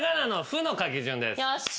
よし！